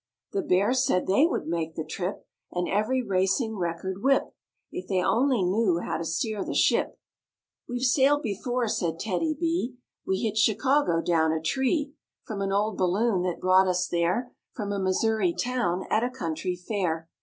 The Bears said they would make the trip And every racing record whip If they only knew how to steer the ship. N. "We've sailed before," said TEDDY B, We hit Chicago down a tree C p. \ From an old balloon that brought us there Jl From a Missouri town at a county fair."